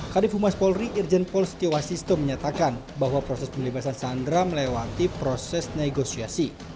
kadifumas polri irjen pol setiwasisto menyatakan bahwa proses pembebasan sandra melewati proses negosiasi